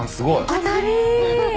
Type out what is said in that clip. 当たり！